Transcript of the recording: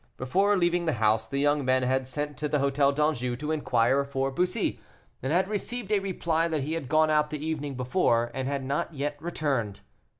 Before leaving the house, the young men had sent to the Hôtel d'Anjou to inquire for Bussy, and had received a reply that he had gone out the evening before and had not yet returned.